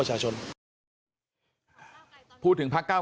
ถ้าเราหยุดประกาศ